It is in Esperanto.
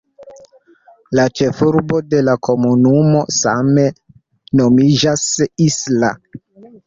La ĉefurbo de la komunumo same nomiĝas "Isla".